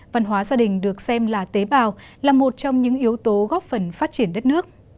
văn hóa gia đình được xem là tế bào là một trong những yếu tố góp phần phát triển đất nước